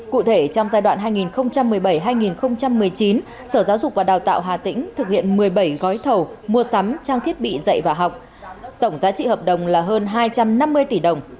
cụ thể trong giai đoạn hai nghìn một mươi bảy hai nghìn một mươi chín sở giáo dục và đào tạo hà tĩnh thực hiện một mươi bảy gói thầu mua sắm trang thiết bị dạy và học tổng giá trị hợp đồng là hơn hai trăm năm mươi tỷ đồng